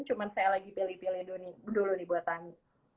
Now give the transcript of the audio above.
cuma saya lagi pilih pilih dulu nih buat tami